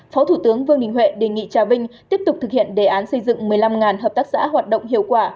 phó thủ tướng vương đình huệ đề nghị trà vinh tiếp tục thực hiện đề án xây dựng một mươi năm hợp tác xã hoạt động hiệu quả